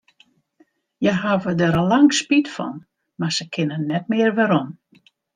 Hja hawwe dêr al lang spyt fan, mar se kinne net mear werom.